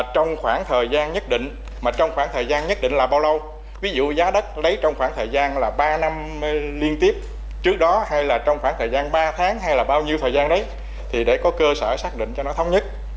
trong điều kiện bình thường